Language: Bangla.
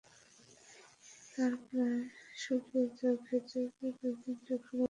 তার প্রায় শুকিয়ে যাওয়া ক্ষতের ব্যাণ্ডেজ খুলে যায়।